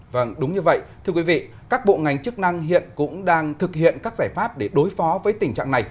vâng đúng như vậy thưa quý vị các bộ ngành chức năng hiện cũng đang thực hiện các giải pháp để đối phó với tình trạng này